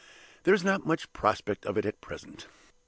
There is not much prospect of it at present.